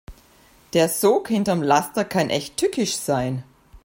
Der Sog hinterm Laster kann echt tückisch sein.